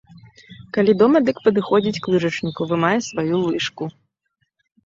Калі дома, дык падыходзіць к лыжачніку, вымае сваю лыжку.